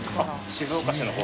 静岡市の方。